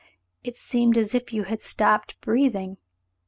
It seemed as if you had stopped breathing.